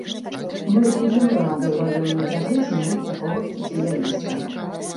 Мы будзем рады ў раённай газеце мець такога спецыяліста.